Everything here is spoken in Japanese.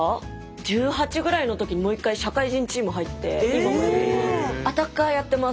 １８ぐらいの時にもう一回社会人チーム入って今もアタッカーやってます。